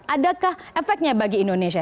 adakah efeknya bagi indonesia